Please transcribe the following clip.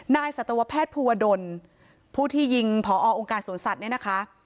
สัตวแพทย์ภูวดลผู้ที่ยิงพอองค์การสวนสัตว์เนี่ยนะคะ